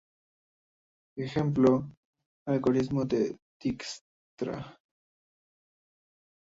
Ej: algoritmo de Dijkstra.